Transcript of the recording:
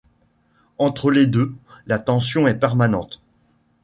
Entre les deux, la tension est permanente.